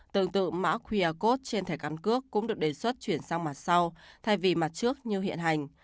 tương tự mã qr code trên thẻ căn cước cũng được đề xuất chuyển sang mặt sau thay vì mặt trước như hiện hành